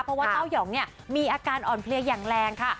เพราะว่าเต้ายองเนี่ยมีอาการอ่อนเพลียอย่างแรงค่ะ